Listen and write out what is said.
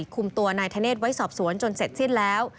คุมตัวนายธเนธไว้สอบสวนจนเสร็จสิ้นแล้ว